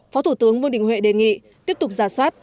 phó thủ tướng vương đình huệ đề nghị tiếp tục giả soát